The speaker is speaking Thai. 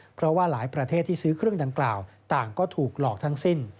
เพราะว่าหลายประเทศที่ซื้อเครื่องดังกล่าวต่างก็ถูกหลอกทั้งสิ้น